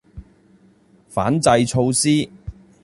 反制措施